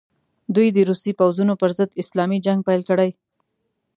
دوی د روسي پوځونو پر ضد اسلامي جنګ پیل کړي.